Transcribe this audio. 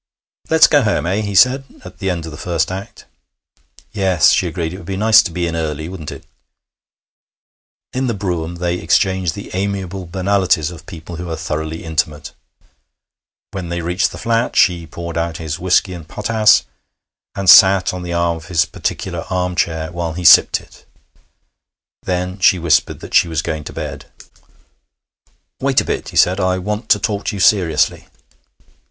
'Let's go home, eh?' he said, at the end of the first act. 'Yes,' she agreed. 'It would be nice to be in early, wouldn't it?' In the brougham they exchanged the amiable banalities of people who are thoroughly intimate. When they reached the flat, she poured out his whisky and potass, and sat on the arm of his particular arm chair while he sipped it; then she whispered that she was going to bed. 'Wait a bit,' he said; 'I want to talk to you seriously.'